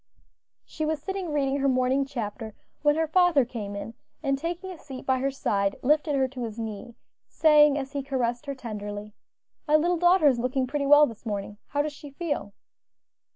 She was sitting reading her morning chapter when her father came in, and taking a seat by her side, lifted her to his knee, saying, as he caressed her tenderly, "My little daughter is looking pretty well this morning; how does she feel?"